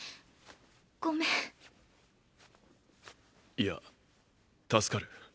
いや助かる。